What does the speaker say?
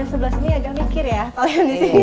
yang sebelah sini agak mikir ya kalian disini